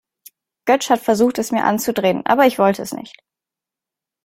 Götsch hat versucht, es mir anzudrehen, aber ich wollte es nicht.